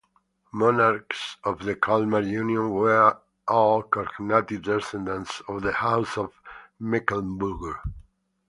Monarchs of the Kalmar union were all cognatic descendants of the House of Mecklenburg.